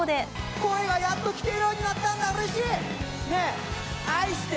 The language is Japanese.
声がやっと聞こえるようになったんだ、うれしい。